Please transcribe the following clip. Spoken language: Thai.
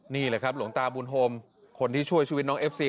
นี่แหละครับหลวงตาบุญโฮมคนที่ช่วยชีวิตน้องเอฟซี